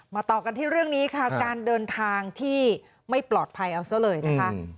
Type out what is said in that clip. ต่อกันที่เรื่องนี้ค่ะการเดินทางที่ไม่ปลอดภัยเอาซะเลยนะคะ